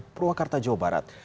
purwakarta jawa barat